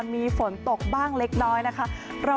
มีฝนตกบ้างเล็กน้อยนะคะ